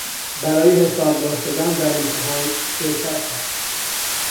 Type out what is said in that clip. برای حسابدار شدن در امتحان شرکت کرد.